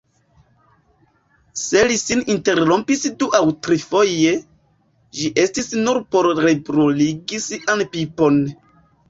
Se li sin interrompis du aŭ trifoje, ĝi estis nur por rebruligi sian pipon.